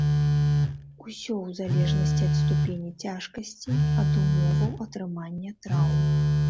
Усё ў залежнасці ад ступені цяжкасці, ад умоваў атрымання траўм.